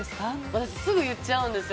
私、すぐ言っちゃうんですよ。